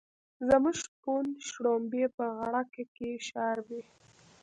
زموږ شپون شړومبی په غړکه کې شاربي.